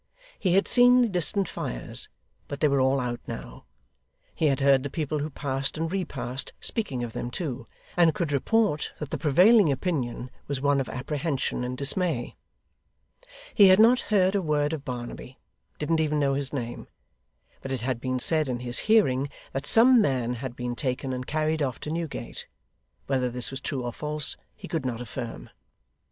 He had seen the distant fires, but they were all out now. He had heard the people who passed and repassed, speaking of them too, and could report that the prevailing opinion was one of apprehension and dismay. He had not heard a word of Barnaby didn't even know his name but it had been said in his hearing that some man had been taken and carried off to Newgate. Whether this was true or false, he could not affirm.